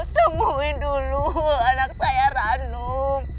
temuin dulu anak saya ranum